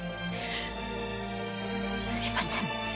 すみません。